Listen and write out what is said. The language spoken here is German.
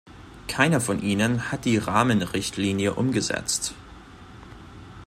Keiner von ihnen hat die Rahmenrichtlinie umgesetzt.